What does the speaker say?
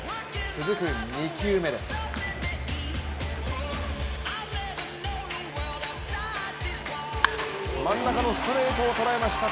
続く２球目です、真ん中のストレートを捉えました。